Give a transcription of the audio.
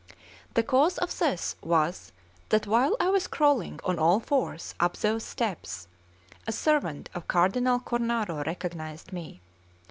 The cause of this was that while I was crawling on all fours up those steps, a servant of Cardinal Cornaro recognized me.